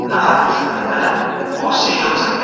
ز شیر زاهد سالوس و شیخ پر طامات